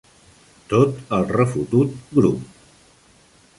Tot el refotut grup.